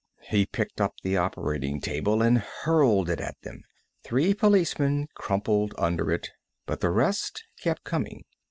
He picked up the operating table and hurled it at them. Three policemen crumpled under it, but the rest kept coming.